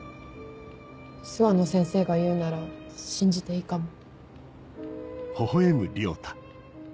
諏訪野先生が言うなら信じていいかも。